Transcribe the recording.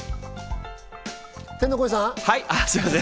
天の声さん？